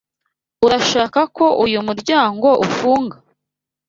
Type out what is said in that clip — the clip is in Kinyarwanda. Urashaka ko uyu muryango ufunga?